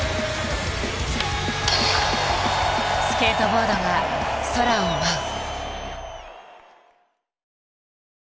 スケートボードが空を舞う。